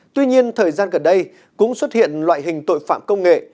tuy nhiên thời gian gần đây cũng xuất hiện loại hình tội phạm công nghệ